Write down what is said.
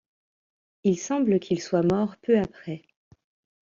Il semble qu'il soit mort peu après.